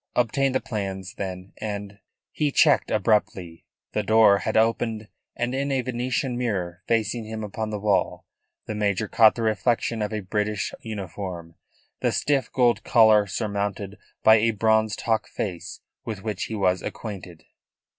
Obtain the plans, then, and " He checked abruptly. The door had opened, and in a Venetian mirror facing him upon the wall the major caught the reflection of a British uniform, the stiff gold collar surmounted by a bronzed hawk face with which he was acquainted.